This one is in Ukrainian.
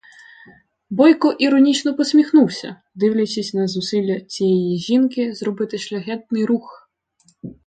Бойко іронічно посміхнувся, дивлячись на зусилля цієї жінки зробити шляхетний рух.